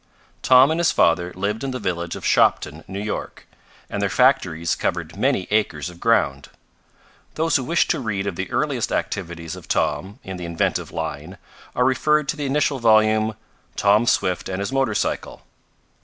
Tom and his father lived in the village of Shopton, New York, and their factories covered many acres of ground. Those who wish to read of the earliest activities of Tom in the inventive line are referred to the initial volume, "Tom Swift and His Motor Cycle."